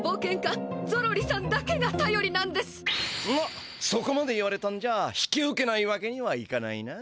まっそこまで言われたんじゃ引き受けないわけにはいかないな。